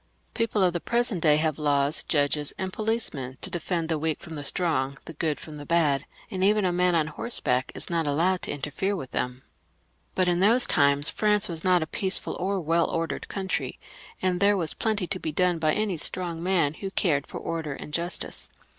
English people of the present day have laws, judges, and policemen to defend the weak from the strong, the good from the bad, and even a man on horseback is not allowed to interfere with them ; but in those times France was not a peaceful or well ordered country, and there was plenty to be done by any strong man who cared for order and justice.